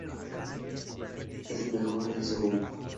Es el mejor en su rubro.